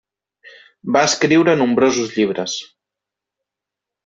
Va escriure nombrosos llibres.